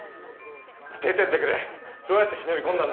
出てってくれどうやって忍び込んだんだ？